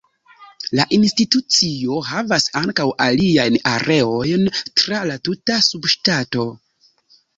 La institucio havas ankaŭ aliajn areojn tra la tuta subŝtato.